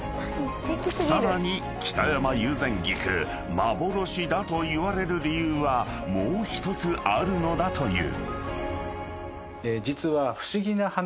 ［さらに北山友禅菊幻だといわれる理由はもう１つあるのだという］